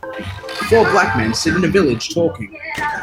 Four black men sit in a village, talking.